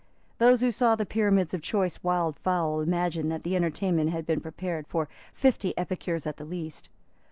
Those who saw the pyramids of choice wild fowl imagined that the entertainment had been prepared for fifty epicures at the least.